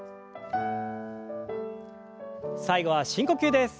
最後は深呼吸です。